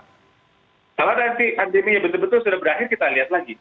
kalau nanti pandeminya betul betul sudah berakhir kita lihat lagi